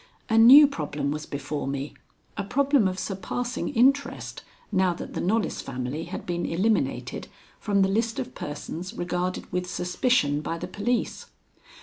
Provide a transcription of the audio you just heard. A new problem was before me; a problem of surpassing interest, now that the Knollys family had been eliminated from the list of persons regarded with suspicion by the police.